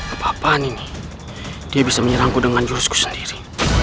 apa apaan ini dia bisa menyerangku dengan jurusku sendiri